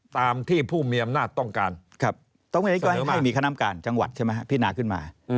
ตามที่ผู้มีอำนาจต้องการครับต้องการให้มีคณามการจังหวัดใช่ไหมครับพี่นาขึ้นมา